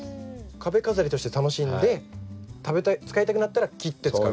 壁飾りとして楽しんで使いたくなったら切って使う。